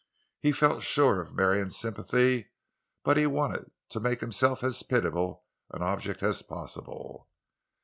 He felt sure of Marion's sympathy, but he wanted to make himself as pitiable an object as possible.